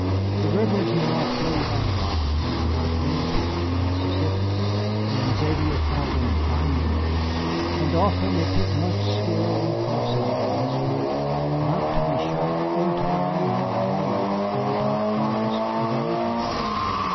The rivers now flowed out of, and not into the Mississippi, and Xavier called them bayous, and often it took much skill and foresight on his part not to be shot into the lane they made in the dark forest of an evening.